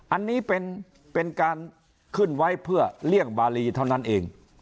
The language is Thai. อันนี้เป็นการขึ้นไว้เพื่อเลี่ยงบารีเท่านั้นเอง